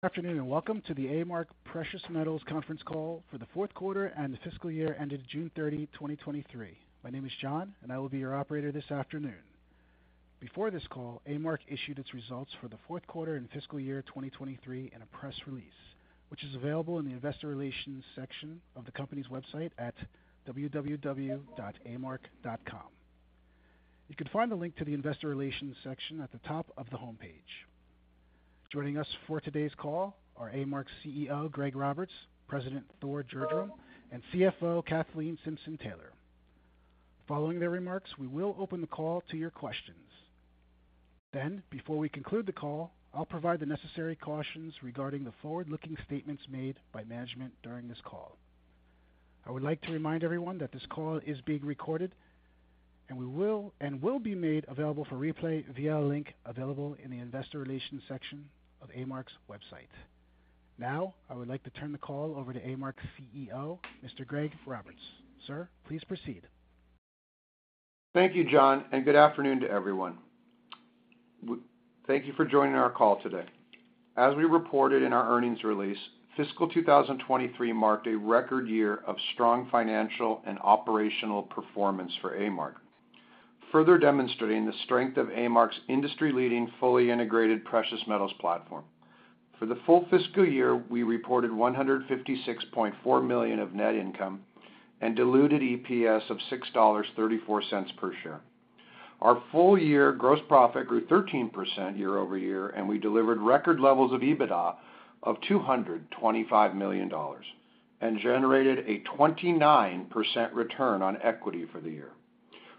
Good afternoon, and welcome to the A-Mark Precious Metals conference call for the fourth quarter and fiscal year ended June 30, 2023. My name is John, and I will be your operator this afternoon. Before this call, A-Mark issued its results for the fourth quarter and fiscal year 2023 in a press release, which is available in the Investor Relations section of the company's website at www.amark.com. You can find the link to the Investor Relations section at the top of the homepage. Joining us for today's call are A-Mark's CEO, Greg Roberts, President Thor Gjerdrum, and CFO, Kathleen Simpson-Taylor. Following their remarks, we will open the call to your questions. Then, before we conclude the call, I'll provide the necessary cautions regarding the forward-looking statements made by management during this call. I would like to remind everyone that this call is being recorded, and we will be made available for replay via a link available in the Investor Relations section of A-Mark's website. Now, I would like to turn the call over to A-Mark's CEO, Mr. Greg Roberts. Sir, please proceed. Thank you, John, and good afternoon to everyone. Thank you for joining our call today. As we reported in our earnings release, fiscal 2023 marked a record year of strong financial and operational performance for A-Mark, further demonstrating the strength of A-Mark's industry-leading, fully integrated precious metals platform. For the full fiscal year, we reported $156.4 million of net income and diluted EPS of $6.34 per share. Our full year gross profit grew 13% year-over-year, and we delivered record levels of EBITDA of $225 million, and generated a 29% return on equity for the year.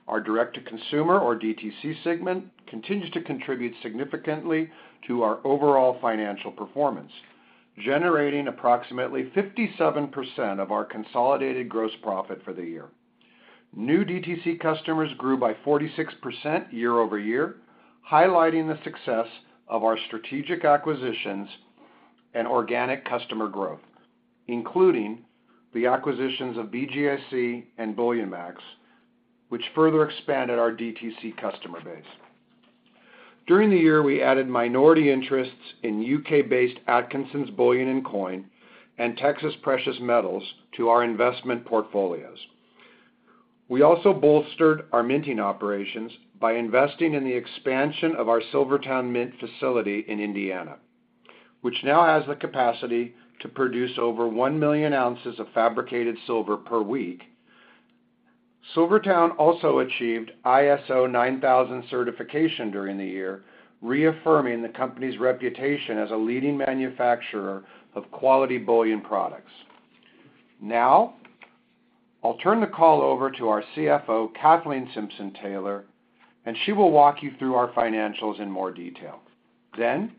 Our direct-to-consumer, or DTC segment, continues to contribute significantly to our overall financial performance, generating approximately 57% of our consolidated gross profit for the year. New DTC customers grew by 46% year-over-year, highlighting the success of our strategic acquisitions and organic customer growth, including the acquisitions of BGASC and BullionMax, which further expanded our DTC customer base. During the year, we added minority interests in U.K.-based Atkinsons Bullion and Coins and Texas Precious Metals to our investment portfolios. We also bolstered our minting operations by investing in the expansion of our SilverTowne Mint facility in Indiana, which now has the capacity to produce over 1,000,000 ounces of fabricated silver per week. SilverTowne also achieved ISO 9001 certification during the year, reaffirming the company's reputation as a leading manufacturer of quality bullion products. Now, I'll turn the call over to our CFO, Kathleen Simpson-Taylor, and she will walk you through our financials in more detail. Then,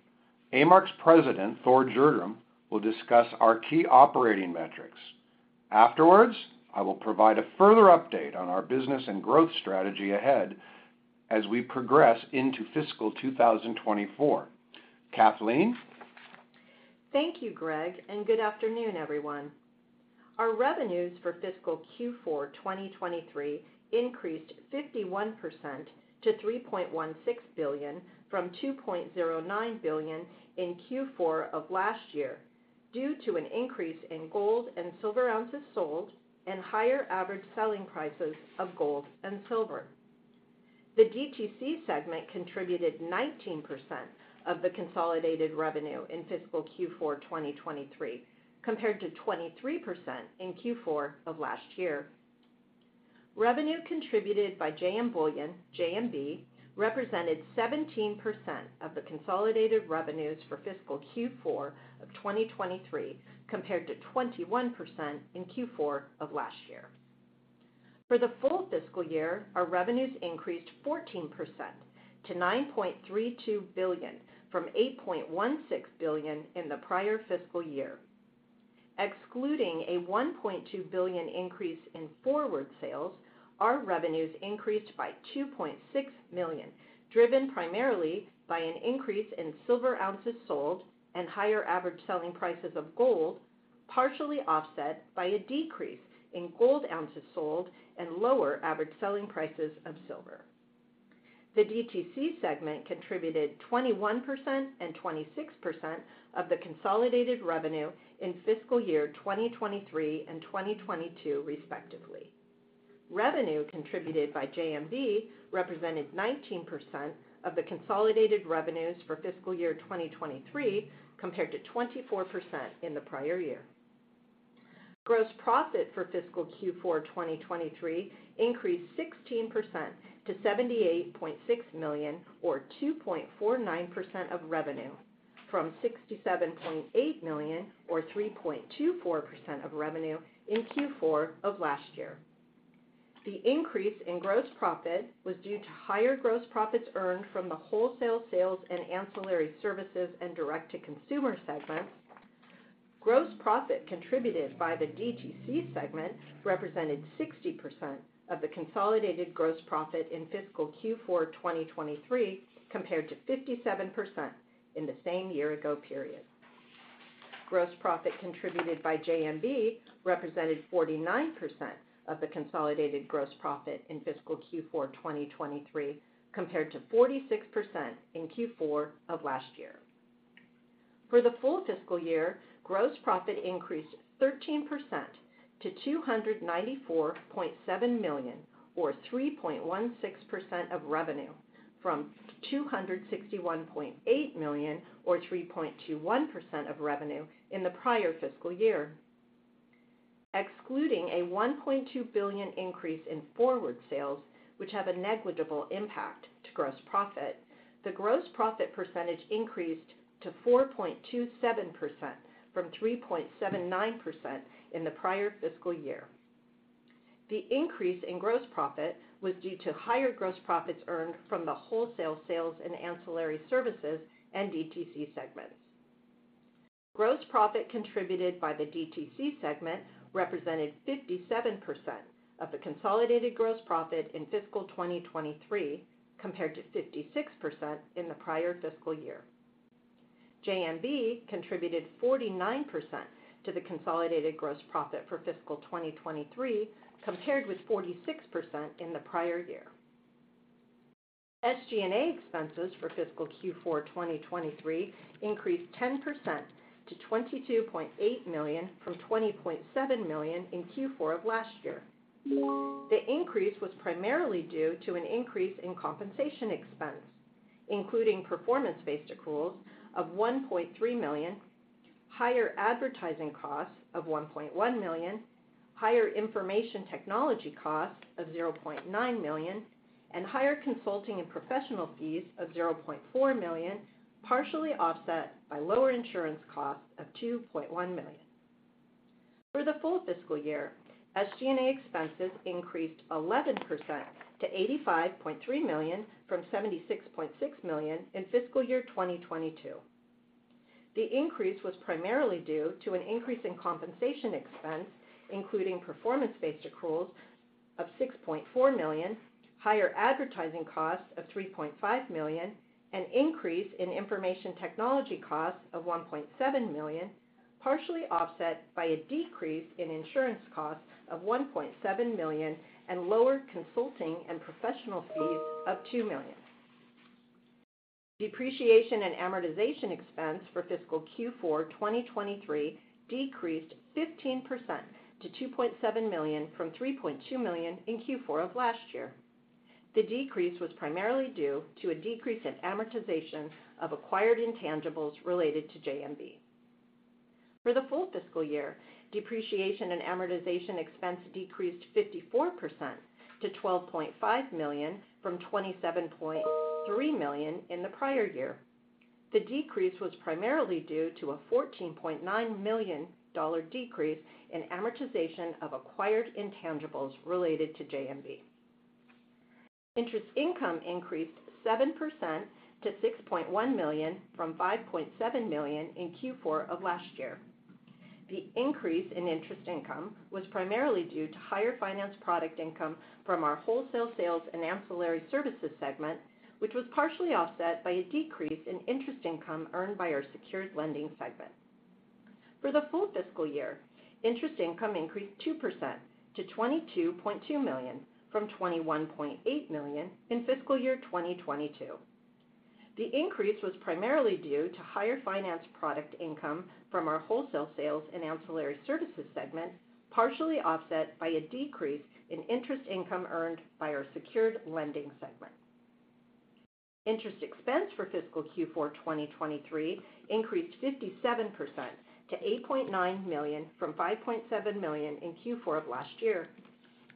A-Mark's president, Thor Gjerdrum, will discuss our key operating metrics. Afterwards, I will provide a further update on our business and growth strategy ahead as we progress into fiscal 2024. Kathleen? Thank you, Greg, and good afternoon, everyone. Our revenues for fiscal Q4 2023 increased 51% to $3.16 billion from $2.09 billion in Q4 of last year due to an increase in gold and silver ounces sold and higher average selling prices of gold and silver. The DTC segment contributed 19% of the consolidated revenue in fiscal Q4 2023, compared to 23% in Q4 of last year. Revenue contributed by JM Bullion, JMB, represented 17% of the consolidated revenues for fiscal Q4 of 2023, compared to 21% in Q4 of last year. For the full fiscal year, our revenues increased 14% to $9.32 billion from $8.16 billion in the prior fiscal year. Excluding a $1.2 billion increase in forward sales, our revenues increased by $2.6 million, driven primarily by an increase in silver ounces sold and higher average selling prices of gold, partially offset by a decrease in gold ounces sold and lower average selling prices of silver. The DTC segment contributed 21% and 26% of the consolidated revenue in fiscal year 2023 and 2022, respectively. Revenue contributed by JMB represented 19% of the consolidated revenues for fiscal year 2023, compared to 24% in the prior year. Gross profit for fiscal Q4 2023 increased 16% to $78.6 million, or 2.49% of revenue, from $67.8 million, or 3.24% of revenue in Q4 of last year. The increase in gross profit was due to higher gross profits earned from the wholesale sales and ancillary services and direct-to-consumer segments. Gross profit contributed by the DTC segment represented 60% of the consolidated gross profit in fiscal Q4 2023, compared to 57% in the same year ago period. Gross profit contributed by JMB represented 49% of the consolidated gross profit in fiscal Q4 2023, compared to 46% in Q4 of last year. For the full fiscal year, gross profit increased 13% to $294.7 million, or 3.16% of revenue, from $261.8 million, or 3.21% of revenue, in the prior fiscal year. Excluding a $1.2 billion increase in forward sales, which have a negligible impact to gross profit, the gross profit percentage increased to 4.27% from 3.79% in the prior fiscal year. The increase in gross profit was due to higher gross profits earned from the wholesale sales and ancillary services and DTC segments. Gross profit contributed by the DTC segment represented 57% of the consolidated gross profit in fiscal 2023, compared to 56% in the prior fiscal year. JMB contributed 49% to the consolidated gross profit for fiscal 2023, compared with 46% in the prior year. SG&A expenses for fiscal Q4 2023 increased 10% to $22.8 million from $20.7 million in Q4 of last year. The increase was primarily due to an increase in compensation expense, including performance-based accruals of $1.3 million, higher advertising costs of $1.1 million, higher information technology costs of $0.9 million, and higher consulting and professional fees of $0.4 million, partially offset by lower insurance costs of $2.1 million. For the full fiscal year, SG&A expenses increased 11% to $85.3 million from $76.6 million in fiscal year 2022. The increase was primarily due to an increase in compensation expense, including performance-based accruals of $6.4 million, higher advertising costs of $3.5 million, an increase in information technology costs of $1.7 million, partially offset by a decrease in insurance costs of $1.7 million and lower consulting and professional fees of $2 million. Depreciation and amortization expense for fiscal Q4 2023 decreased 15% to $2.7 million from $3.2 million in Q4 of last year. The decrease was primarily due to a decrease in amortization of acquired intangibles related to JMB. For the full fiscal year, depreciation and amortization expense decreased 54% to $12.5 million from $27.3 million in the prior year. The decrease was primarily due to a $14.9 million decrease in amortization of acquired intangibles related to JMB. Interest income increased 7% to $6.1 million from $5.7 million in Q4 of last year. The increase in interest income was primarily due to higher finance product income from our wholesale sales and ancillary services segment, which was partially offset by a decrease in interest income earned by our secured lending segment. For the full fiscal year, interest income increased 2% to $22.2 million from $21.8 million in fiscal year 2022. The increase was primarily due to higher finance product income from our wholesale sales and ancillary services segment, partially offset by a decrease in interest income earned by our secured lending segment. Interest expense for fiscal Q4 2023 increased 57% to $8.9 million from $5.7 million in Q4 of last year.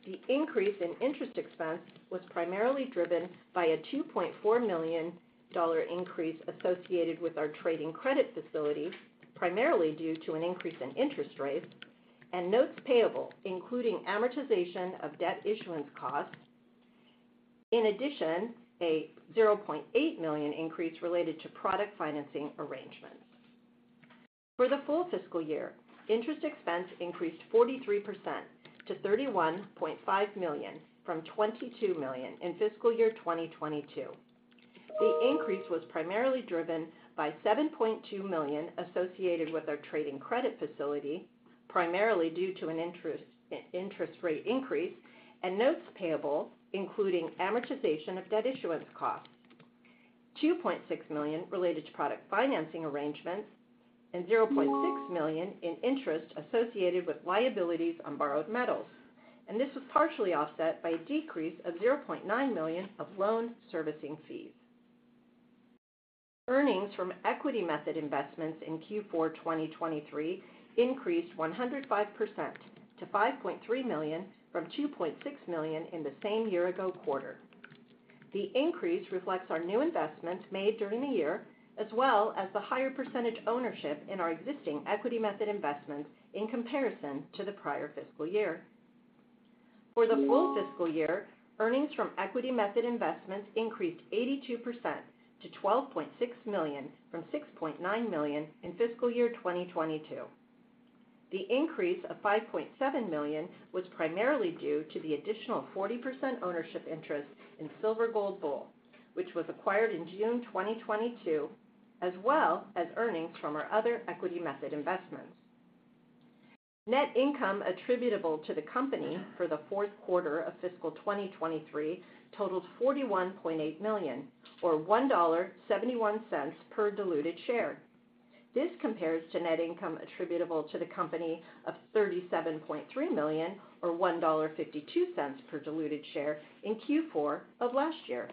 The increase in interest expense was primarily driven by a $2.4 million increase associated with our trading credit facility, primarily due to an increase in interest rates and notes payable, including amortization of debt issuance costs. In addition, a $0.8 million increase related to product financing arrangements. For the full fiscal year, interest expense increased 43% to $31.5 million from $22 million in fiscal year 2022. The increase was primarily driven by $7.2 million associated with our trading credit facility, primarily due to an interest rate increase and notes payable, including amortization of debt issuance costs, $2.6 million related to product financing arrangements, and $0.6 million in interest associated with liabilities on borrowed metals, and this was partially offset by a decrease of $0.9 million of loan servicing fees. Earnings from equity method investments in Q4 2023 increased 105% to $5.3 million from $2.6 million in the same year ago quarter. The increase reflects our new investments made during the year, as well as the higher percentage ownership in our existing equity method investments in comparison to the prior fiscal year. For the full fiscal year, earnings from equity method investments increased 82% to $12.6 million from $6.9 million in fiscal year 2022. The increase of $5.7 million was primarily due to the additional 40% ownership interest in Silver Gold Bull, which was acquired in June 2022, as well as earnings from our other equity method investments. Net income attributable to the company for the fourth quarter of fiscal 2023 totaled $41.8 million, or $1.71 per diluted share. This compares to net income attributable to the company of $37.3 million, or $1.52 per diluted share in Q4 of last year.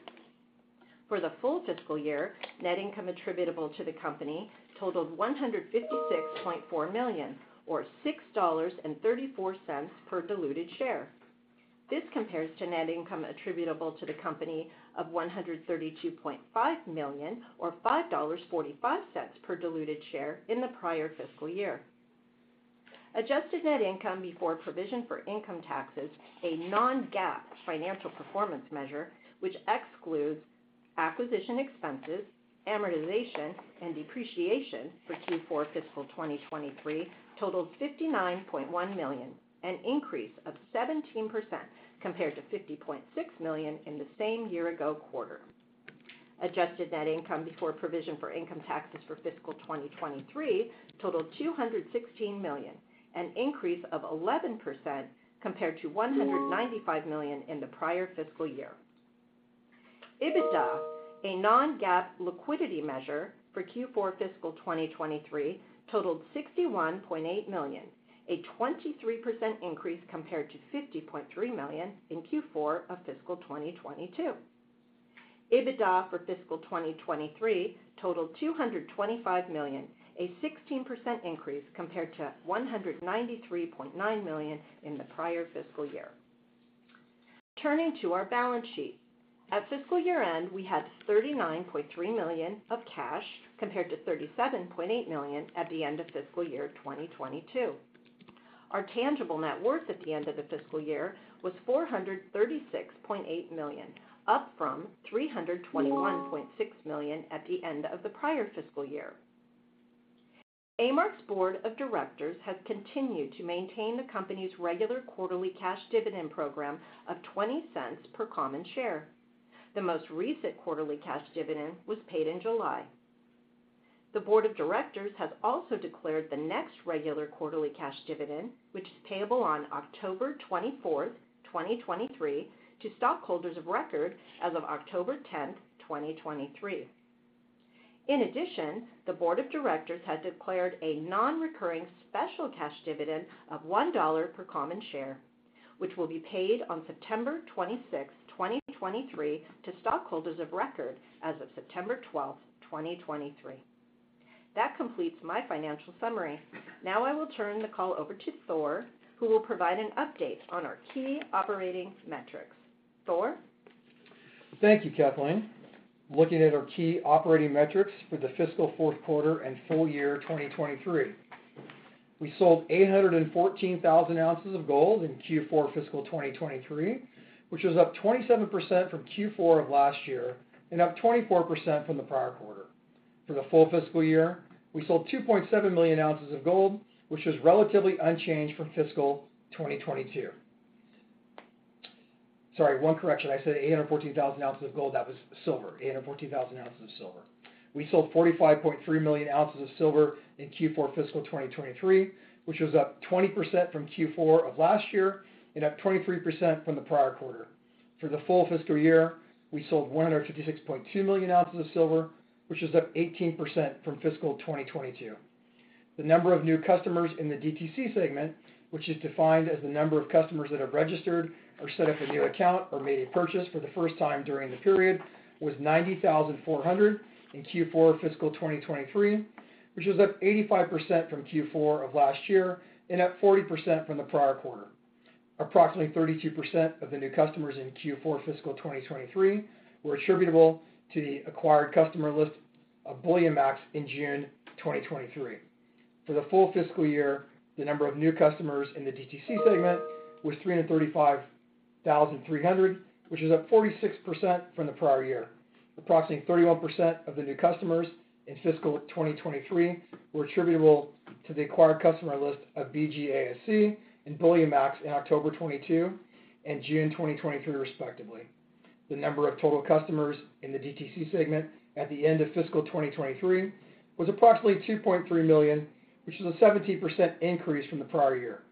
For the full fiscal year, net income attributable to the company totaled $156.4 million, or $6.34 per diluted share. This compares to net income attributable to the company of $132.5 million, or $5.45 per diluted share in the prior fiscal year. Adjusted net income before provision for income taxes, a non-GAAP financial performance measure, which excludes acquisition expenses, amortization, and depreciation for Q4 fiscal 2023 totaled $59.1 million, an increase of 17% compared to $50.6 million in the same year ago quarter. Adjusted net income before provision for income taxes for fiscal 2023 totaled $216 million, an increase of 11% compared to $195 million in the prior fiscal year. EBITDA, a non-GAAP liquidity measure for Q4 fiscal 2023, totaled $61.8 million, a 23% increase compared to $50.3 million in Q4 of fiscal 2022. EBITDA for fiscal 2023 totaled $225 million, a 16% increase compared to $193.9 million in the prior fiscal year. Turning to our balance sheet. At fiscal year-end, we had $39.3 million of cash, compared to $37.8 million at the end of fiscal year 2022. Our tangible net worth at the end of the fiscal year was $436.8 million, up from $321.6 million at the end of the prior fiscal year. A-Mark's Board of Directors has continued to maintain the company's regular quarterly cash dividend program of $0.20 per common share. The most recent quarterly cash dividend was paid in July. The Board of Directors has also declared the next regular quarterly cash dividend, which is payable on October 24, 2023, to stockholders of record as of October 10, 2023. In addition, the Board of Directors has declared a non-recurring special cash dividend of $1 per common share, which will be paid on September 26, 2023, to stockholders of record as of September 12, 2023. That completes my financial summary. Now, I will turn the call over to Thor, who will provide an update on our key operating metrics. Thor? Thank you, Kathleen. Looking at our key operating metrics for the fiscal fourth quarter and full year 2023. We sold 814,000 ounces of gold in Q4 fiscal 2023, which is up 27% from Q4 of last year and up 24% from the prior quarter. For the full fiscal year, we sold 2.7 million ounces of gold, which is relatively unchanged from fiscal 2022. Sorry, one correction. I said 814,000 ounces of gold, that was silver. 814,000 ounces of silver. We sold 45.3 million ounces of silver in Q4 fiscal 2023, which was up 20% from Q4 of last year and up 23% from the prior quarter. For the full fiscal year, we sold 156.2 million ounces of silver, which is up 18% from fiscal 2022. The number of new customers in the DTC segment, which is defined as the number of customers that have registered or set up a new account, or made a purchase for the first time during the period, was 90,400 in Q4 fiscal 2023, which is up 85% from Q4 of last year and up 40% from the prior quarter. Approximately 32% of the new customers in Q4 fiscal 2023 were attributable to the acquired customer list of BullionMax in June 2023. For the full fiscal year, the number of new customers in the DTC segment was 335,300, which is up 46% from the prior year. Approximately 31% of the new customers in fiscal 2023 were attributable to the acquired customer list of BGASC and BullionMax in October 2022 and June 2023, respectively. The number of total customers in the DTC segment at the end of fiscal 2023 was approximately 2.3 million, which is a 17% increase from the prior year.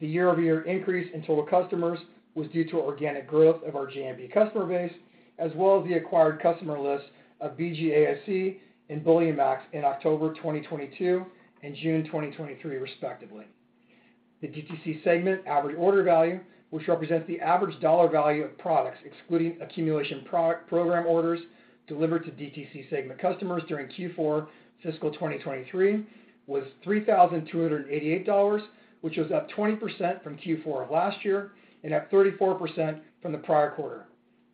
The year-over-year increase in total customers was due to organic growth of our JMB customer base, as well as the acquired customer lists of BGASC and BullionMax in October 2022 and June 2023, respectively. The DTC segment average order value, which represents the average dollar value of products excluding Accumulation Program orders delivered to DTC segment customers during Q4 fiscal 2023, was $3,288, which was up 20% from Q4 of last year and up 34% from the prior quarter.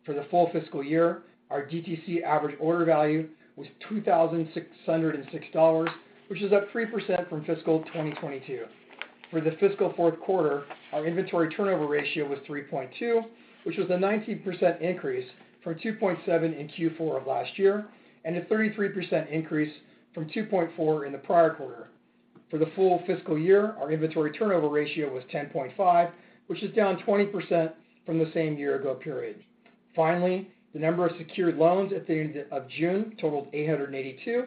For the full fiscal year, our DTC average order value was $2,606, which is up 3% from fiscal 2022. For the fiscal fourth quarter, our inventory turnover ratio was 3.2, which was a 19% increase from 2.7 in Q4 of last year and a 33% increase from 2.4 in the prior quarter. For the full fiscal year, our inventory turnover ratio was 10.5, which is down 20% from the same year ago period. Finally, the number of secured loans at the end of June totaled 882,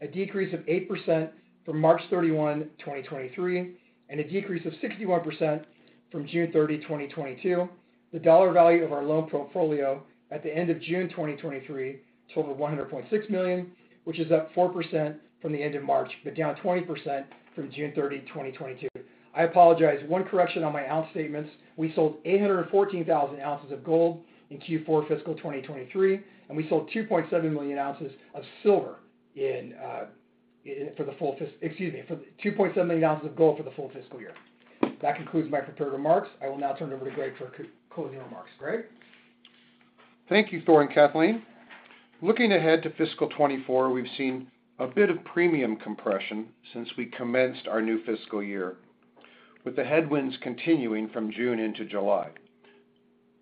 a decrease of 8% from March 31, 2023, and a decrease of 61% from June 30, 2022. The dollar value of our loan portfolio at the end of June 2023 totaled $106 million, which is up 4% from the end of March, but down 20% from June 30, 2022. I apologize. One correction on my ounce statements. We sold 814,000 ounces of gold in Q4 fiscal 2023, and we sold 2.7 million ounces of silver in, for the full fiscal year. Excuse me, for 2.7 million ounces of gold for the full fiscal year. That concludes my prepared remarks. I will now turn it over to Greg for closing remarks. Greg? Thank you, Thor and Kathleen. Looking ahead to fiscal 2024, we've seen a bit of premium compression since we commenced our new fiscal year, with the headwinds continuing from June into July.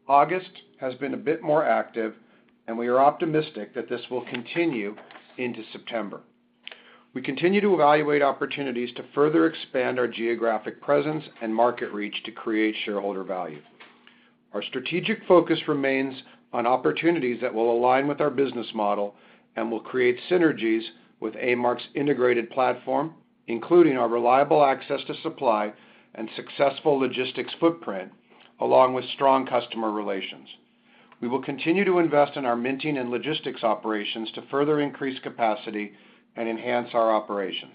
August has been a bit more active, and we are optimistic that this will continue into September. We continue to evaluate opportunities to further expand our geographic presence and market reach to create shareholder value. Our strategic focus remains on opportunities that will align with our business model and will create synergies with A-Mark's integrated platform, including our reliable access to supply and successful logistics footprint, along with strong customer relations. We will continue to invest in our minting and logistics operations to further increase capacity and enhance our operations.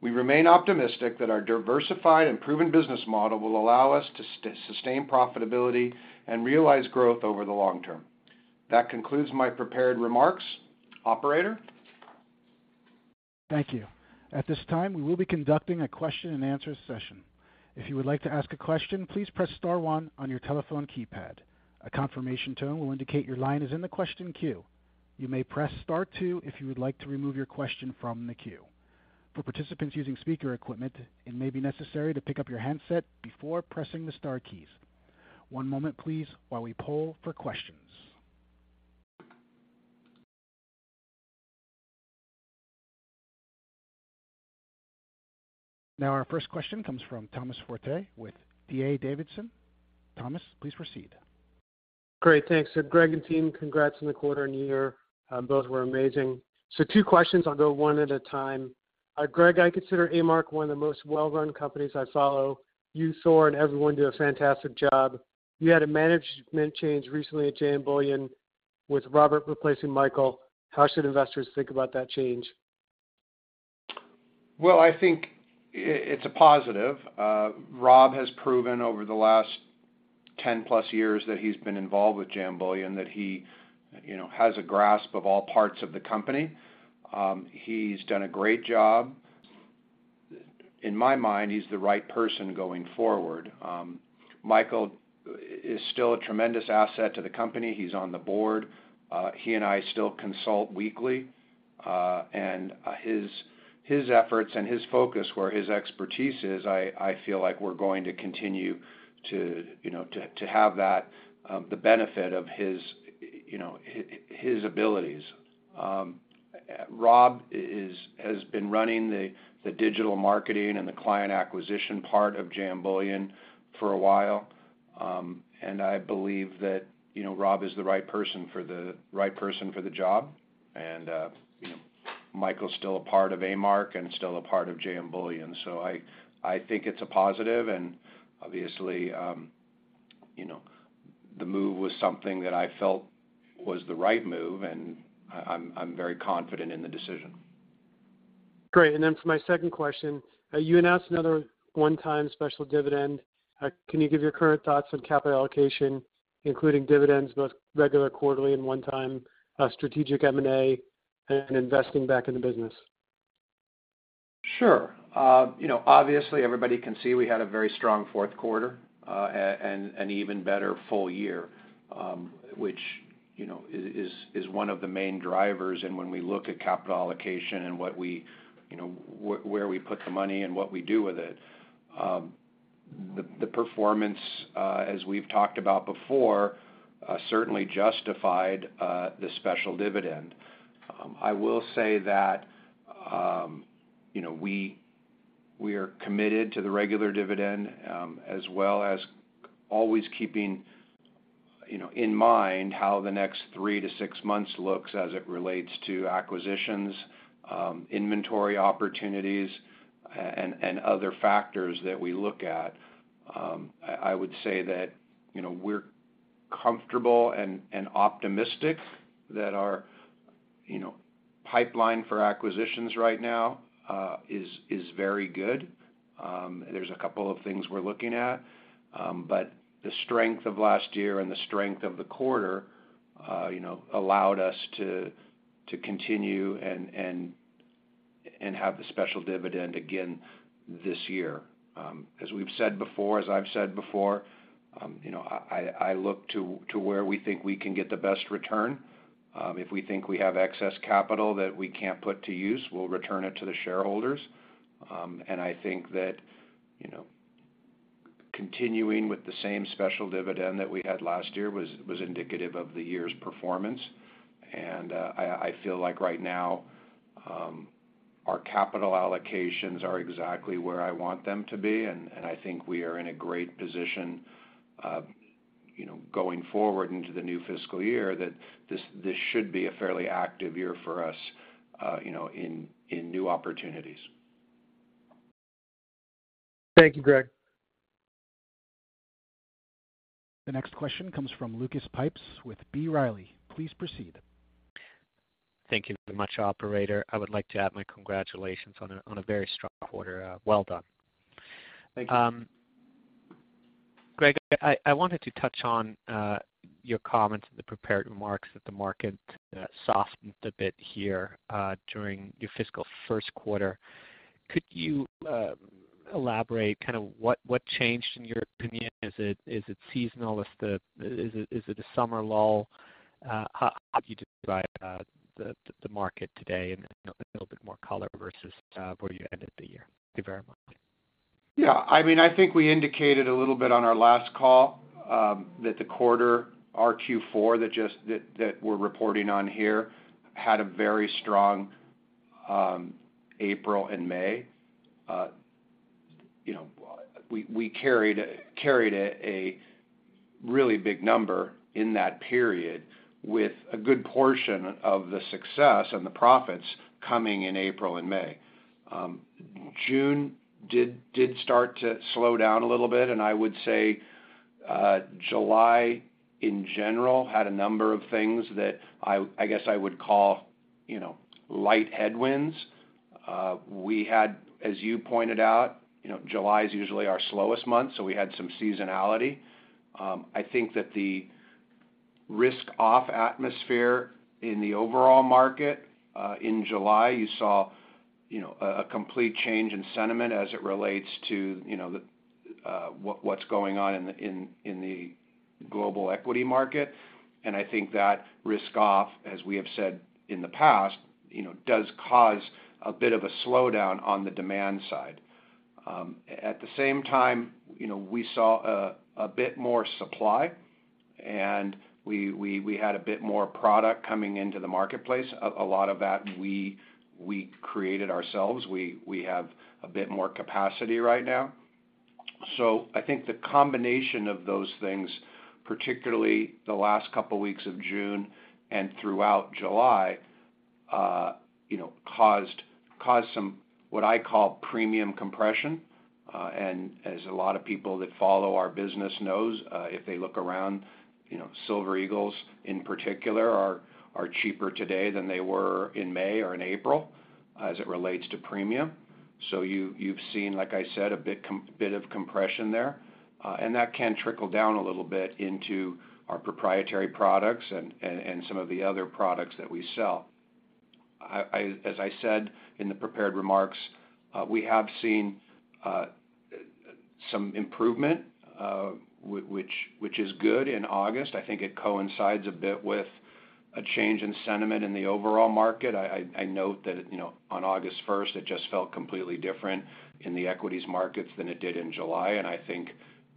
We remain optimistic that our diversified and proven business model will allow us to sustain profitability and realize growth over the long term. That concludes my prepared remarks. Operator? Thank you. At this time, we will be conducting a question and answer session. If you would like to ask a question, please press star one on your telephone keypad. A confirmation tone will indicate your line is in the question queue. You may press Star two if you would like to remove your question from the queue. For participants using speaker equipment, it may be necessary to pick up your handset before pressing the star keys. One moment please, while we poll for questions. Now, our first question comes from Thomas Forte with D.A. Davidson. Thomas, please proceed. Great, thanks. So Greg and team, congrats on the quarter and year. Both were amazing. So two questions. I'll go one at a time. Greg, I consider A-Mark one of the most well-run companies I follow. You, Thor, and everyone do a fantastic job. You had a management change recently at JM Bullion, with Robert replacing Michael. How should investors think about that change? Well, I think it's a positive. Rob has proven over the last 10+ years that he's been involved with JM Bullion, that he, you know, has a grasp of all parts of the company. He's done a great job. In my mind, he's the right person going forward. Michael is still a tremendous asset to the company. He's on the board. He and I still consult weekly, and his efforts and his focus, where his expertise is, I feel like we're going to continue to, you know, to have that, the benefit of his, you know, his abilities. Rob has been running the digital marketing and the client acquisition part of JM Bullion for a while, and I believe that, you know, Rob is the right person for the job. And, you know, Michael is still a part of A-Mark and still a part of JM Bullion, so I think it's a positive. And obviously, you know, the move was something that I felt was the right move, and I'm very confident in the decision. Great. And then for my second question, you announced another one-time special dividend. Can you give your current thoughts on capital allocation, including dividends, both regular, quarterly, and one-time, strategic M&A, and investing back in the business? Sure. You know, obviously, everybody can see we had a very strong fourth quarter, and an even better full year, which, you know, is one of the main drivers. And when we look at capital allocation and what we, you know, where we put the money and what we do with it, the performance, as we've talked about before, certainly justified the special dividend. I will say that, you know, we are committed to the regular dividend, as well as always keeping, you know, in mind how the next three to six months looks as it relates to acquisitions, inventory opportunities, and other factors that we look at. I would say that, you know, we're comfortable and optimistic that our, you know, pipeline for acquisitions right now is very good. There's a couple of things we're looking at, but the strength of last year and the strength of the quarter, you know, allowed us to continue and have the special dividend again this year. As we've said before, as I've said before, you know, I look to where we think we can get the best return. If we think we have excess capital that we can't put to use, we'll return it to the shareholders. And I think that, you know, continuing with the same special dividend that we had last year was indicative of the year's performance. I feel like right now, our capital allocations are exactly where I want them to be, and I think we are in a great position, you know, going forward into the new fiscal year, that this should be a fairly active year for us, you know, in new opportunities. Thank you, Greg. The next question comes from Lucas Pipes with B. Riley. Please proceed. Thank you very much, operator. I would like to add my congratulations on a very strong quarter. Well done. Thank you. Greg, I wanted to touch on your comments in the prepared remarks that the market softened a bit here during your fiscal first quarter. Could you elaborate kind of what changed, in your opinion? Is it seasonal? Is it a summer lull? How do you describe the market today, and a little bit more color versus where you ended the year? Thank you very much. Yeah. I mean, I think we indicated a little bit on our last call that the quarter, our Q4 that we're reporting on here, had a very strong April and May. You know, we carried a really big number in that period, with a good portion of the success and the profits coming in April and May. June did start to slow down a little bit, and I would say July, in general, had a number of things that I guess I would call, you know, light headwinds. We had, as you pointed out, you know, July is usually our slowest month, so we had some seasonality. I think that the risk-off atmosphere in the overall market, in July, you saw, you know, a complete change in sentiment as it relates to, you know, what, what's going on in the global equity market. And I think that risk-off, as we have said in the past, you know, does cause a bit of a slowdown on the demand side. At the same time, you know, we saw a bit more supply, and we had a bit more product coming into the marketplace. A lot of that we created ourselves. We have a bit more capacity right now. So I think the combination of those things, particularly the last couple weeks of June and throughout July, you know, caused some, what I call, premium compression. And as a lot of people that follow our business knows, if they look around, you know, Silver Eagles, in particular, are cheaper today than they were in May or in April, as it relates to premium. So you've seen, like I said, a bit of compression there, and that can trickle down a little bit into our proprietary products and some of the other products that we sell. As I said, in the prepared remarks, we have seen some improvement, which is good in August. I think it coincides a bit with a change in sentiment in the overall market. I note that, you know, on August first, it just felt completely different in the equities markets than it did in July, and I think,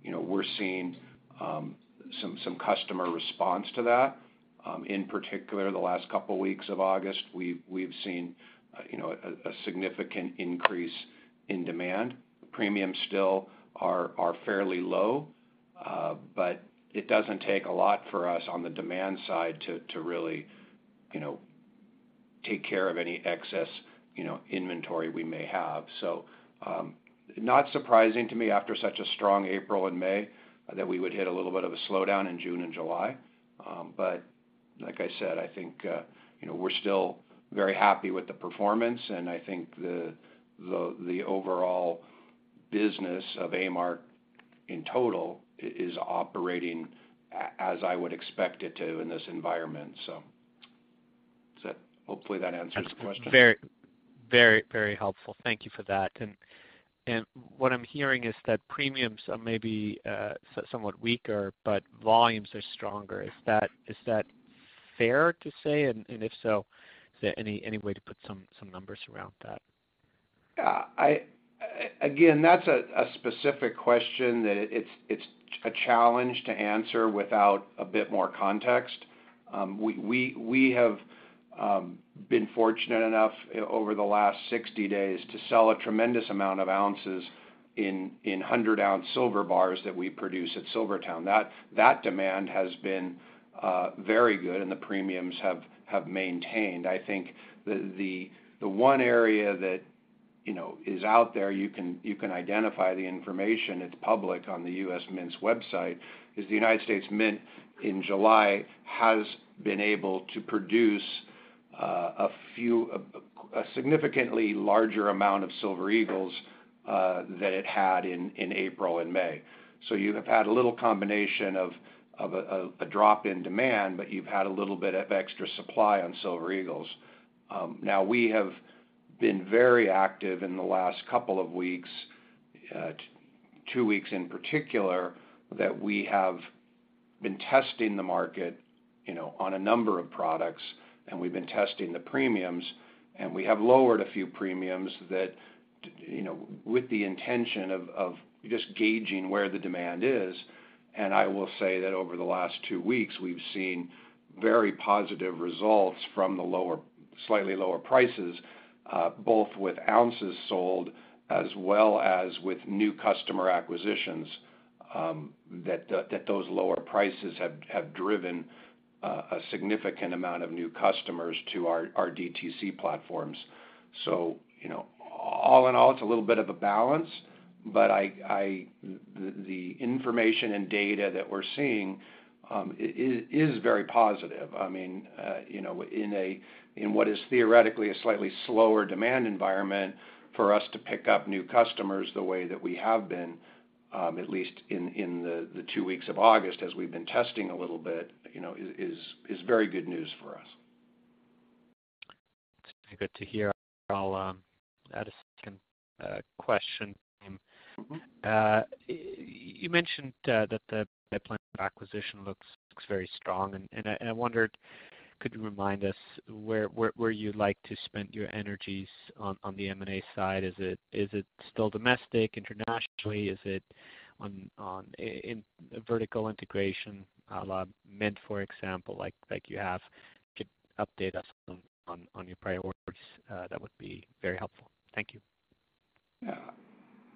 you know, we're seeing some customer response to that. In particular, the last couple weeks of August, we've seen, you know, a significant increase in demand. Premiums still are fairly low, but it doesn't take a lot for us on the demand side to really, you know, take care of any excess, you know, inventory we may have. So, not surprising to me after such a strong April and May, that we would hit a little bit of a slowdown in June and July. But like I said, I think, you know, we're still very happy with the performance, and I think the overall business of A-Mark in total is operating as I would expect it to in this environment. So hopefully that answers the question. Very, very, very helpful. Thank you for that. And, and what I'm hearing is that premiums are maybe, somewhat weaker, but volumes are stronger. Is that, is that fair to say? And, and if so, is there any, any way to put some, some numbers around that? Again, that's a specific question that it's a challenge to answer without a bit more context. We have been fortunate enough over the last 60 days to sell a tremendous amount of ounces in 100-ounce silver bars that we produce at SilverTowne. That demand has been very good, and the premiums have maintained. I think the one area that, you know, is out there, you can identify the information, it's public on the U.S. Mint's website, is the United States Mint, in July, has been able to produce a significantly larger amount of Silver Eagles than it had in April and May. So you have had a little combination of a drop in demand, but you've had a little bit of extra supply on Silver Eagles. Now, we have been very active in the last couple of weeks, two weeks in particular that we have been testing the market, you know, on a number of products, and we've been testing the premiums, and we have lowered a few premiums that, you know, with the intention of just gauging where the demand is. And I will say that over the last two weeks, we've seen very positive results from the slightly lower prices, both with ounces sold as well as with new customer acquisitions, that those lower prices have driven a significant amount of new customers to our DTC platforms. So, you know, all in all, it's a little bit of a balance, but the information and data that we're seeing is very positive. I mean, you know, in what is theoretically a slightly slower demand environment, for us to pick up new customers the way that we have been, at least in the two weeks of August as we've been testing a little bit, you know, is very good news for us. Good to hear. I'll add a second question. You mentioned that the planned acquisition looks very strong, and I wondered, could you remind us where you'd like to spend your energies on the M&A side? Is it still domestic, internationally? Is it in vertical integration, mint, for example, like you have? Could you update us on your priorities? That would be very helpful. Thank you. Yeah.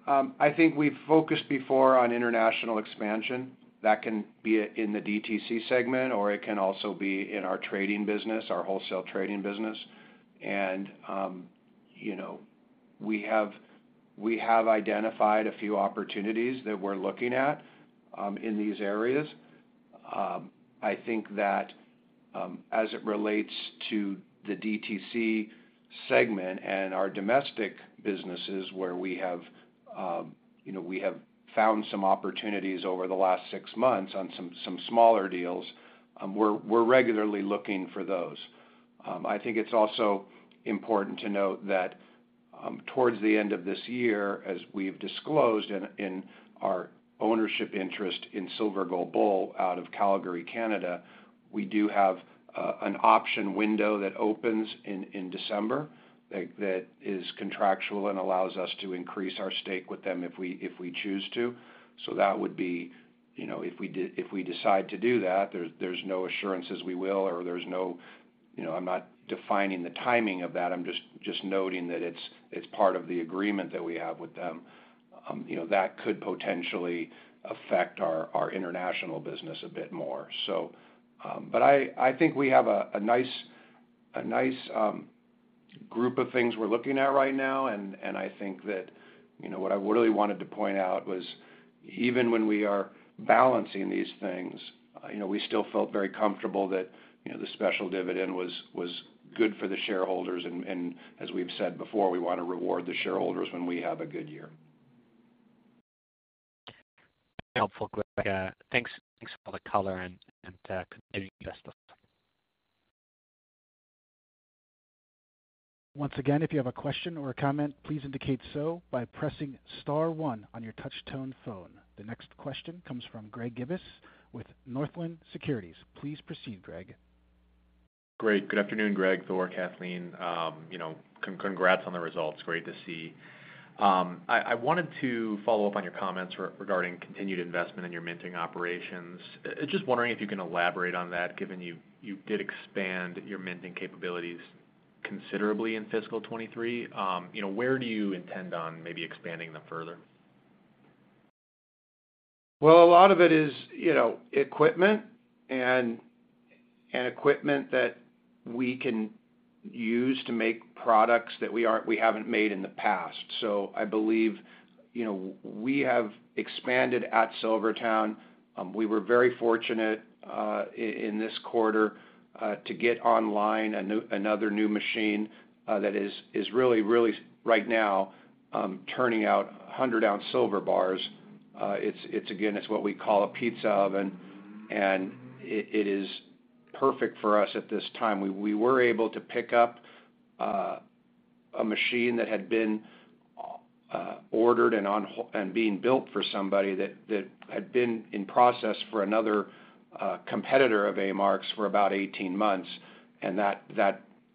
I think we've focused before on international expansion. That can be in the DTC segment, or it can also be in our trading business, our wholesale trading business. You know, we have identified a few opportunities that we're looking at in these areas. I think that as it relates to the DTC segment and our domestic businesses, where you know we have found some opportunities over the last six months on some smaller deals, we're regularly looking for those. I think it's also important to note that, towards the end of this year, as we've disclosed, in our ownership interest in Silver Gold Bull out of Calgary, Canada, we do have an option window that opens in December, that is contractual and allows us to increase our stake with them if we choose to. So that would be, you know, if we decide to do that, there's no assurances we will, or there's no... You know, I'm not defining the timing of that, I'm just noting that it's part of the agreement that we have with them. You know, that could potentially affect our international business a bit more. So, but I think we have a nice group of things we're looking at right now, and I think that, you know, what I really wanted to point out was, even when we are balancing these things, you know, we still felt very comfortable that, you know, the special dividend was good for the shareholders. And, as we've said before, we want to reward the shareholders when we have a good year. Helpful, Greg. Thanks for the color and continuing best luck. Once again, if you have a question or a comment, please indicate so by pressing star one on your touch tone phone. The next question comes from Greg Gibas with Northland Securities. Please proceed, Greg. Great. Good afternoon, Greg, Thor, Kathleen. You know, congrats on the results. Great to see. I wanted to follow up on your comments regarding continued investment in your minting operations. Just wondering if you can elaborate on that, given you did expand your minting capabilities considerably in fiscal 2023. You know, where do you intend on maybe expanding them further? Well, a lot of it is, you know, equipment, and equipment that we can use to make products that we aren't, we haven't made in the past. So I believe, you know, we have expanded at SilverTowne. We were very fortunate in this quarter to get online a new another new machine that is really, really right now turning out 100-ounce silver bars. It's again, it's what we call a pizza oven, and it is perfect for us at this time. We were able to pick up a machine that had been ordered and on hold and being built for somebody that had been in process for another competitor of A-Mark's for about 18 months, and that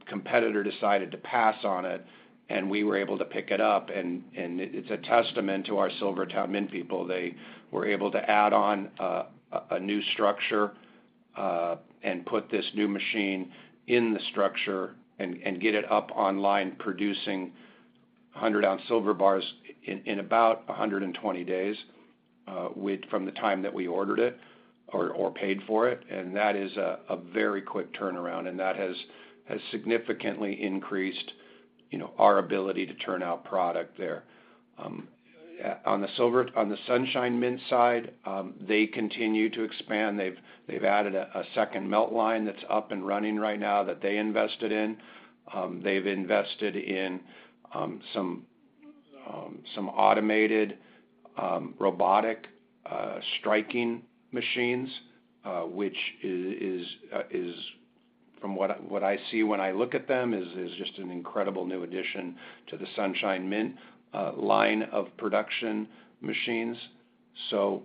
competitor decided to pass on it, and we were able to pick it up. It's a testament to our SilverTowne Mint people. They were able to add on a new structure and put this new machine in the structure and get it up online, producing 100-ounce silver bars in about 120 days from the time that we ordered it or paid for it. And that is a very quick turnaround, and that has significantly increased, you know, our ability to turn out product there. On the Sunshine Mint side, they continue to expand. They've added a second melt line that's up and running right now, that they invested in. They've invested in some automated robotic striking machines, which is... From what I see when I look at them, is just an incredible new addition to the Sunshine Mint line of production machines. So,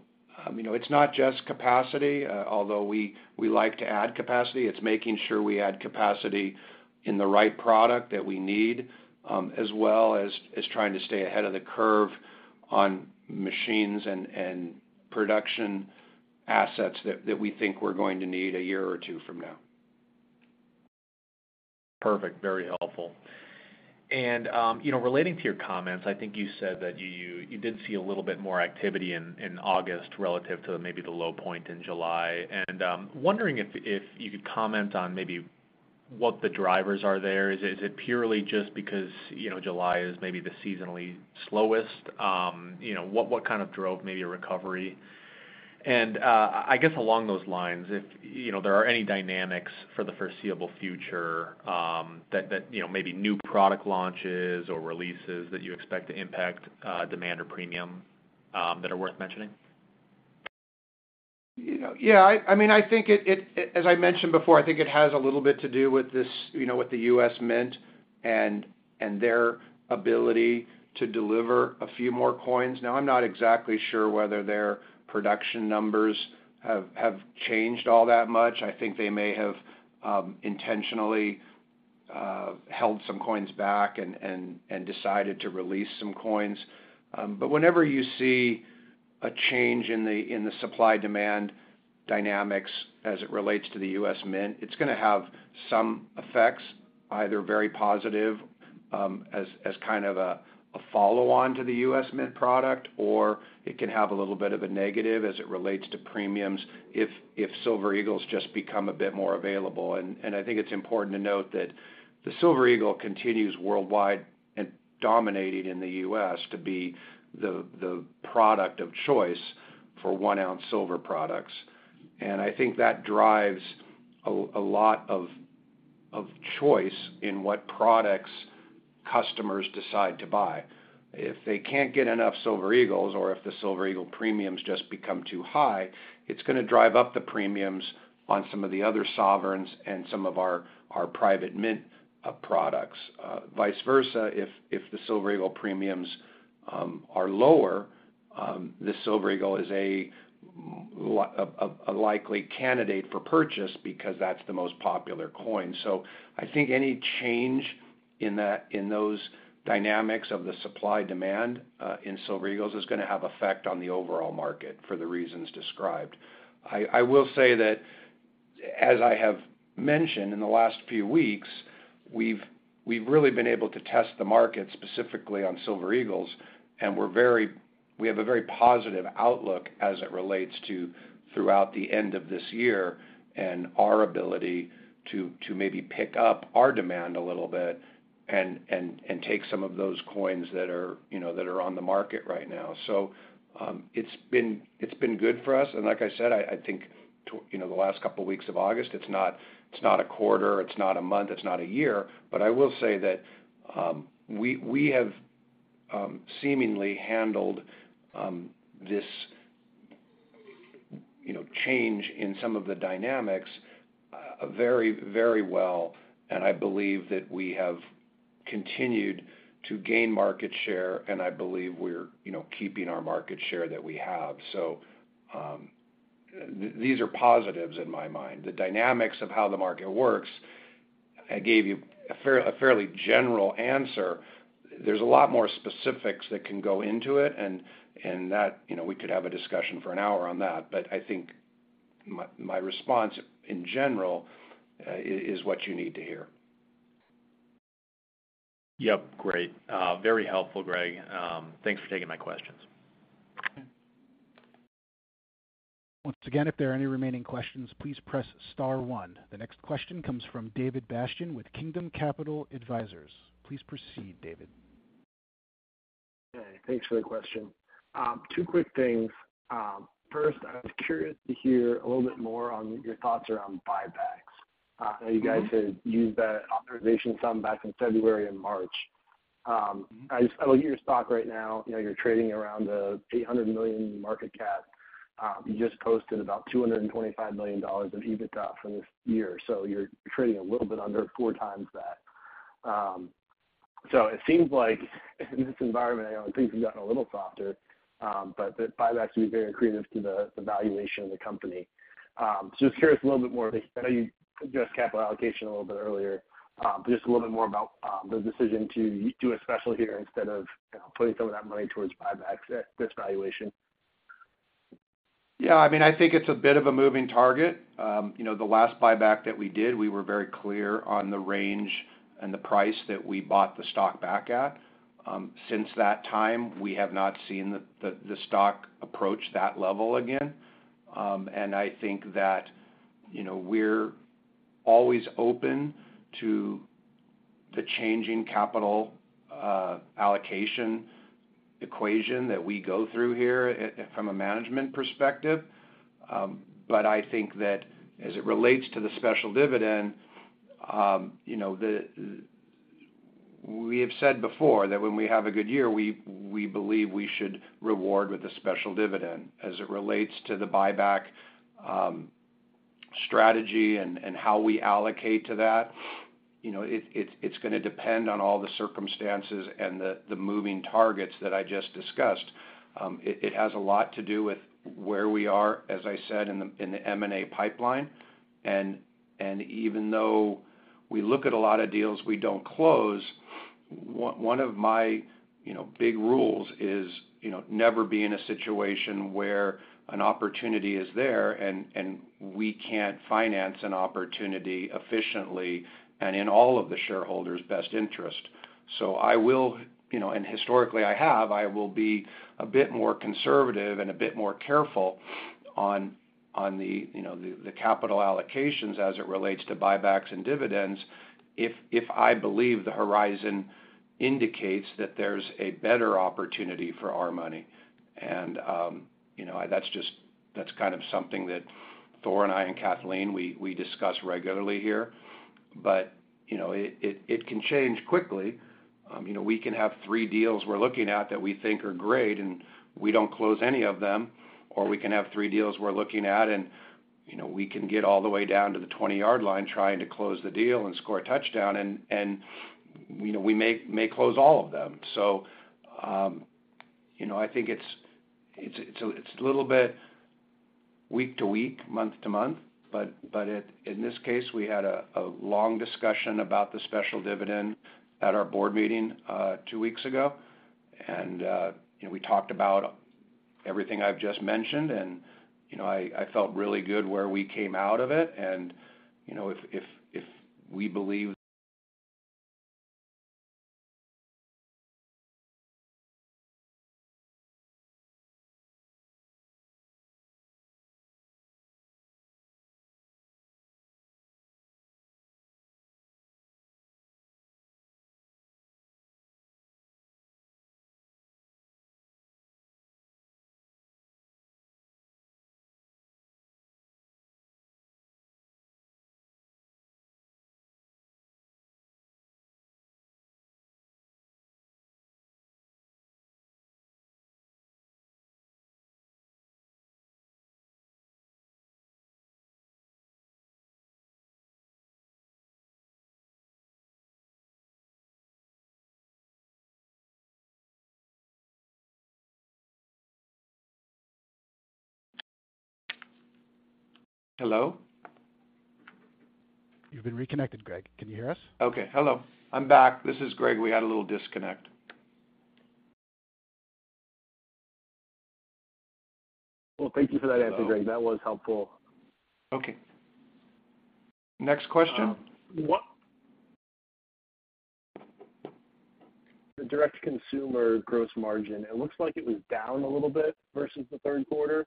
you know, it's not just capacity, although we like to add capacity, it's making sure we add capacity in the right product that we need, as well as trying to stay ahead of the curve on machines and production assets that we think we're going to need a year or two from now. Perfect. Very helpful. And, you know, relating to your comments, I think you said that you did see a little bit more activity in August relative to maybe the low point in July. And, wondering if you could comment on maybe what the drivers are there. Is it purely just because, you know, July is maybe the seasonally slowest? You know, what kind of drove maybe a recovery? And, I guess along those lines, if you know, there are any dynamics for the foreseeable future, that you know, maybe new product launches or releases that you expect to impact demand or premium that are worth mentioning. You know, yeah, I mean, I think it, as I mentioned before, I think it has a little bit to do with this, you know, with the U.S. Mint and their ability to deliver a few more coins. Now, I'm not exactly sure whether their production numbers have changed all that much. I think they may have intentionally held some coins back and decided to release some coins. But whenever you see a change in the supply-demand dynamics as it relates to the U.S. Mint, it's gonna have some effects, either very positive, as kind of a follow-on to the U.S. Mint product, or it can have a little bit of a negative as it relates to premiums if Silver Eagles just become a bit more available. I think it's important to note that the Silver Eagle continues worldwide and dominating in the U.S. to be the product of choice for one-ounce silver products. I think that drives a lot of choice in what products customers decide to buy. If they can't get enough Silver Eagles, or if the Silver Eagle premiums just become too high, it's gonna drive up the premiums on some of the other Sovereigns and some of our private mint products. Vice versa, if the Silver Eagle premiums are lower, the Silver Eagle is a likely candidate for purchase because that's the most popular coin. So I think any change in those dynamics of the supply-demand in Silver Eagles is gonna have effect on the overall market for the reasons described. I will say that, as I have mentioned in the last few weeks, we've really been able to test the market, specifically on Silver Eagles, and we have a very positive outlook as it relates to throughout the end of this year and our ability to maybe pick up our demand a little bit and take some of those coins that are, you know, that are on the market right now. So, it's been good for us, and like I said, I think to, you know, the last couple weeks of August, it's not a quarter, it's not a month, it's not a year, but I will say that we have seemingly handled this, you know, change in some of the dynamics very, very well, and I believe that we have continued to gain market share, and I believe we're, you know, keeping our market share that we have. So, these are positives in my mind. The dynamics of how the market works, I gave you a fairly general answer. There's a lot more specifics that can go into it, and that, you know, we could have a discussion for an hour on that. I think my response, in general, is what you need to hear. Yep, great. Very helpful, Greg. Thanks for taking my questions. Okay. Once again, if there are any remaining questions, please press star one. The next question comes from David Bastian with Kingdom Capital Advisors. Please proceed, David. Hey, thanks for the question. two quick things. First, I was curious to hear a little bit more on your thoughts around buybacks. You guys had used that authorization some back in February and March. I just... I look at your stock right now, you know, you're trading around the $800 million market cap. You just posted about $225 million in EBITDA from this year, so you're trading a little bit under 4x that. It seems like in this environment, I know things have gotten a little softer, but the buybacks will be very accretive to the, the valuation of the company. Just curious a little bit more, I know you addressed capital allocation a little bit earlier, but just a little bit more about the decision to do a special here instead of, you know, putting some of that money towards buybacks at this valuation. Yeah, I mean, I think it's a bit of a moving target. You know, the last buyback that we did, we were very clear on the range and the price that we bought the stock back at. Since that time, we have not seen the stock approach that level again. And I think that, you know, we're always open to the changing capital allocation equation that we go through here from a management perspective. But I think that as it relates to the special dividend, you know, we have said before that when we have a good year, we believe we should reward with a special dividend. As it relates to the buyback strategy and how we allocate to that, you know, it's gonna depend on all the circumstances and the moving targets that I just discussed. It has a lot to do with where we are, as I said, in the M&A pipeline. Even though we look at a lot of deals we don't close, one of my, you know, big rules is, you know, never be in a situation where an opportunity is there and we can't finance an opportunity efficiently and in all of the shareholders' best interest. So I will, you know, and historically I have, I will be a bit more conservative and a bit more careful on the, you know, the capital allocations as it relates to buybacks and dividends, if I believe the horizon indicates that there's a better opportunity for our money. And, you know, that's just, that's kind of something that Thor and I and Kathleen, we discuss regularly here. But, you know, it can change quickly. You know, we can have three deals we're looking at that we think are great, and we don't close any of them, or we can have three deals we're looking at, and, you know, we can get all the way down to the 20-yard line trying to close the deal and score a touchdown, and, you know, we may close all of them. So, you know, I think it's a little bit week to week, month to month, but it - in this case, we had a long discussion about the special dividend at our board meeting two weeks ago. And, you know, we talked about everything I've just mentioned, and, you know, I felt really good where we came out of it. And, you know, if we believe - Hello? You've been reconnected, Greg. Can you hear us? Okay. Hello. I'm back. This is Greg. We had a little disconnect. Well, thank you for that answer, Greg. That was helpful. Okay. Next question? The direct consumer gross margin, it looks like it was down a little bit versus the third quarter,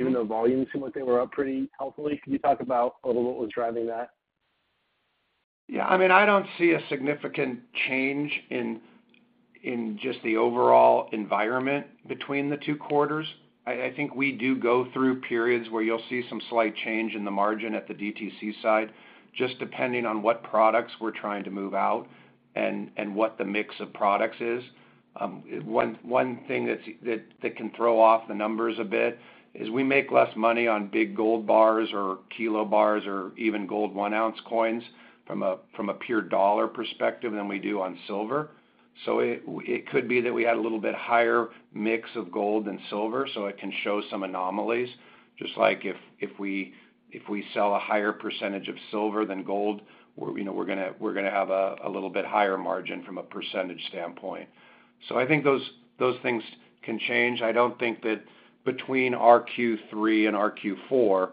even though volumes seemed like they were up pretty healthily. Can you talk about a little what was driving that? Yeah, I mean, I don't see a significant change in just the overall environment between the two quarters. I think we do go through periods where you'll see some slight change in the margin at the DTC side, just depending on what products we're trying to move out and what the mix of products is. One thing that's that can throw off the numbers a bit is we make less money on big gold bars or kilo bars or even gold one-ounce coins from a pure dollar perspective than we do on silver. So it could be that we had a little bit higher mix of gold than silver, so it can show some anomalies. Just like if, if we, if we sell a higher percentage of silver than gold, we're, you know, we're gonna, we're gonna have a little bit higher margin from a percentage standpoint. So I think those, those things can change. I don't think that between our Q3 and our Q4,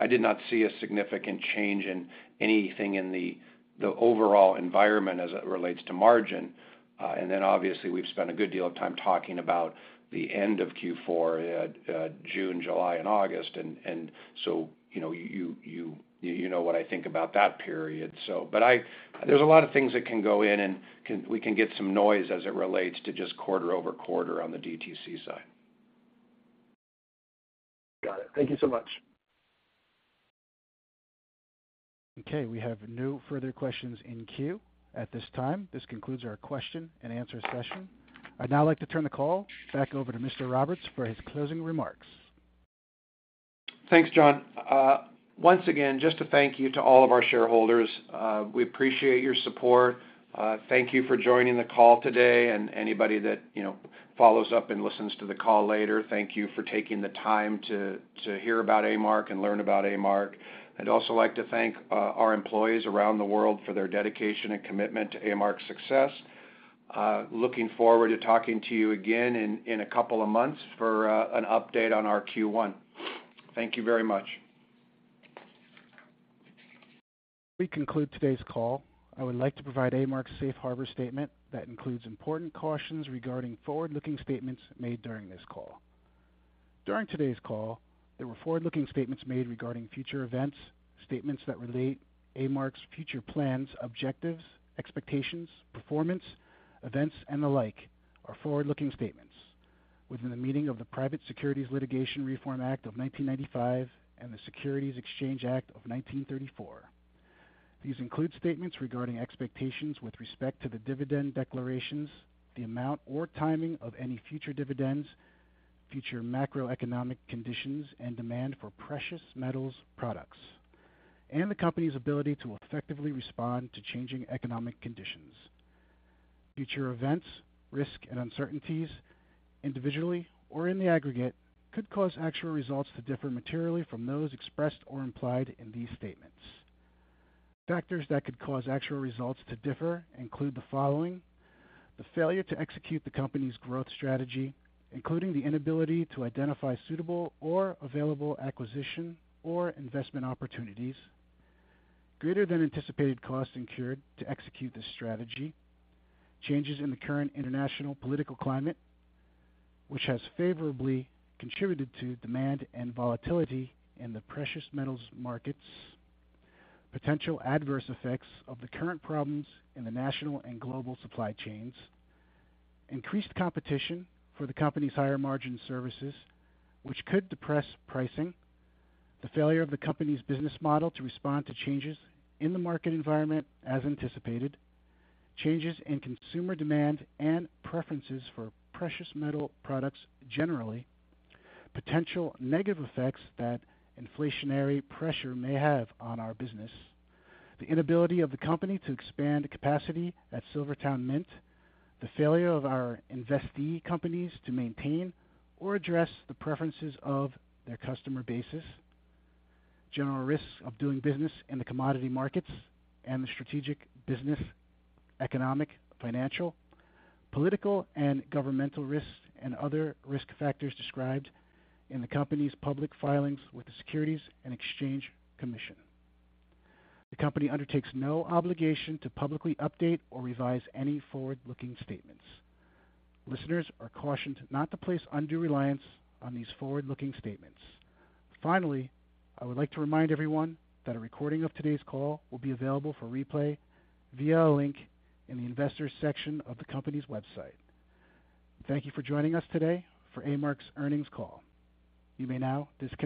I did not see a significant change in anything in the overall environment as it relates to margin. And then obviously, we've spent a good deal of time talking about the end of Q4, June, July, and August. And so, you know, you know what I think about that period. So, but there's a lot of things that can go in, and we can get some noise as it relates to just quarter-over-quarter on the DTC side. Got it. Thank you so much. Okay, we have no further questions in queue at this time. This concludes our question and answer session. I'd now like to turn the call back over to Mr. Roberts for his closing remarks. Thanks, John. Once again, just a thank you to all of our shareholders. We appreciate your support. Thank you for joining the call today and anybody that, you know, follows up and listens to the call later. Thank you for taking the time to hear about A-Mark and learn about A-Mark. I'd also like to thank our employees around the world for their dedication and commitment to A-Mark's success. Looking forward to talking to you again in a couple of months for an update on our Q1. Thank you very much. We conclude today's call. I would like to provide A-Mark's safe harbor statement that includes important cautions regarding forward-looking statements made during this call. During today's call, there were forward-looking statements made regarding future events. Statements that relate A-Mark's future plans, objectives, expectations, performance, events, and the like are forward-looking statements within the meaning of the Private Securities Litigation Reform Act of 1995 and the Securities Exchange Act of 1934. These include statements regarding expectations with respect to the dividend declarations, the amount or timing of any future dividends, future macroeconomic conditions and demand for precious metals products, and the company's ability to effectively respond to changing economic conditions. Future events, risks and uncertainties, individually or in the aggregate, could cause actual results to differ materially from those expressed or implied in these statements. Factors that could cause actual results to differ include the following, the failure to execute the company's growth strategy, including the inability to identify suitable or available acquisition or investment opportunities, greater than anticipated costs incurred to execute this strategy, changes in the current international political climate, which has favorably contributed to demand and volatility in the precious metals markets, potential adverse effects of the current problems in the national and global supply chains, increased competition for the company's higher margin services, which could depress pricing, the failure of the company's business model to respond to changes in the market environment as anticipated, changes in consumer demand and preferences for precious metal products generally, potential negative effects that inflationary pressure may have on our business, the inability of the company to expand capacity at SilverTowne Mint, the failure of our investee companies to maintain or address the preferences of their customer basis, general risks of doing business in the commodity markets and the strategic business, economic, financial, political, and governmental risks and other risk factors described in the company's public filings with the Securities and Exchange Commission. The company undertakes no obligation to publicly update or revise any forward-looking statements. Listeners are cautioned not to place undue reliance on these forward-looking statements. Finally, I would like to remind everyone that a recording of today's call will be available for replay via a link in the Investors section of the company's website. Thank you for joining us today for A-Mark's earnings call. You may now disconnect.